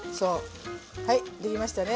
はい出来ましたね。